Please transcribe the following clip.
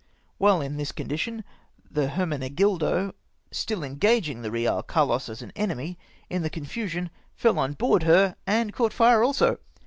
While in this condition the Hermenegildo — still eno ao'ini]!; the Real Carlos as an enemy — in the con fusion fell on board her and caught fire also.